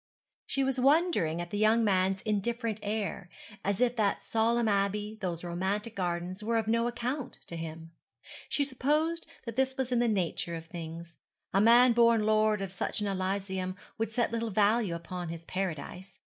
She was wondering at the young man's indifferent air, as if that solemn abbey, those romantic gardens, were of no account to him. She supposed that this was in the nature of things. A man born lord of such an elysium would set little value upon his paradise.